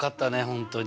本当に。